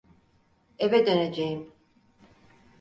Eve döneceğim.